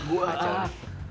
gue aja lah